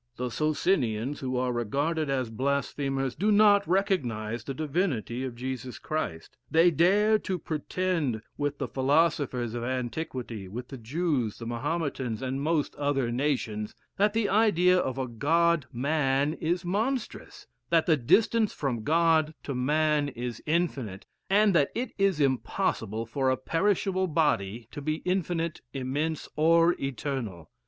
The Socinians, who are regarded as blasphemers, do not recognize the divinity of Jesus Christ. They dare to pretend, with the philosophers of antiquity, with the Jews, the Mahometans, and most other nations, that the idea of a god man is monstrous; that the distance from God to man is infinite; and that it is impossible for a perishable body to be infinite, immense, or eternal.